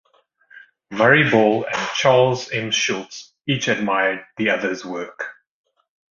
Murray Ball and Charles M. Schulz each admired the other's work.